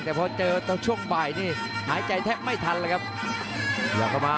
แต่พอเจอตอนช่วงบ่ายนี่หายใจแทบไม่ทันแหละครับอยากเข้ามา